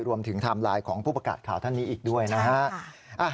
รวมถึงไทม์ไลน์ของผู้ประกาศข่าวธนีย์อีกด้วยนะฮะ